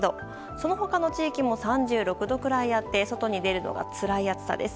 その他の地域も３６度くらいあって外に出るのがつらい暑さです。